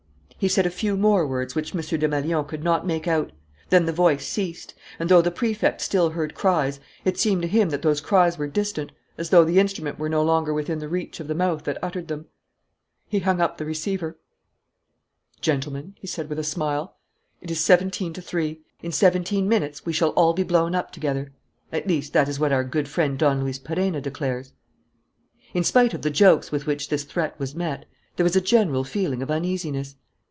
He said a few more words which M. Desmalions could not make out. Then the voice ceased; and, though the Prefect still heard cries, it seemed to him that those cries were distant, as though the instrument were no longer within the reach of the mouth that uttered them. He hung up the receiver. "Gentlemen," he said, with a smile, "it is seventeen to three. In seventeen minutes we shall all be blown up together. At least, that is what our good friend Don Luis Perenna declares." In spite of the jokes with which this threat was met, there was a general feeling of uneasiness.